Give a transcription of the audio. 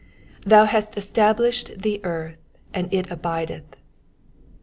^^Thou hast established the earth, and it abideth.'